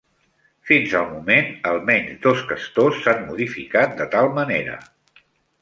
Fins al moment, almenys dos castors s'han modificat de tal manera.